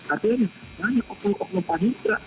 artinya banyak oknum oknum panitra